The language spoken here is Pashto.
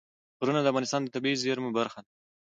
غرونه د افغانستان د طبیعي زیرمو برخه ده.